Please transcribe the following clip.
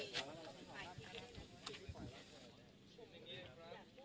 สวัสดีครับสวัสดีครับ